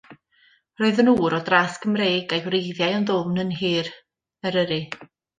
Roedd yn ŵr o dras Gymreig a'i wreiddiau yn ddwfn yn nhir Eryri.